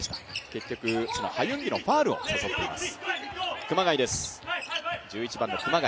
結局そのハ・ユンギのファウルを誘っています。